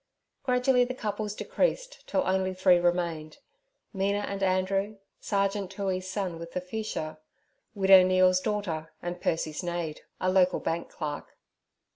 Gradually the couples decreased till only three remained—Mina and Andrew; Sergeant Toohey's son with the Fuchsia; Widow Neal's daughter and Percy Snade, a local bank clerk.